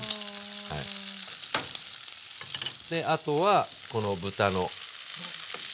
あとはこの豚の脂。